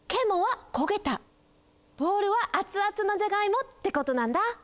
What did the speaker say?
ボールはあつあつのじゃがいもってことなんだ。